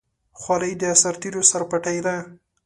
خولۍ د سرتېرو سرپټۍ ده.